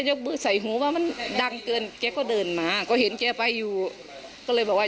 จนใดเจ้าของร้านเบียร์ยิงใส่หลายนัดเลยค่ะ